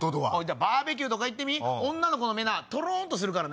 バーベキューとか行ってみ女の子の目とろんとするから。